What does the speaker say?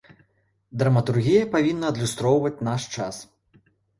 Драматургія павінна адлюстроўваць наш час.